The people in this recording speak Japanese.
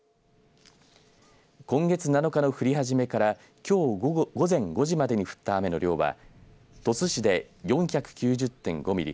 今月７日の降り始めからきょう午前５時までに降った雨の量は鳥栖市で４９０．５ミリ